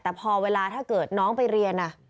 แต่พอเวลาถ้าเกิดน้องไปเรียน